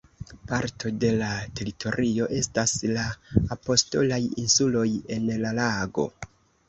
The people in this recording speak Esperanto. Parto de la teritorio estas la "Apostolaj Insuloj" en la lago.